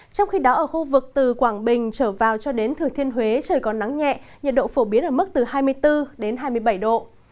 trong khi đó ở khu vực từ quảng bình trở vào cho đến thừa thiên huế trời còn nắng nhẹ nhiệt độ phổ biến ở mức từ hai mươi bốn đến hai mươi bảy độ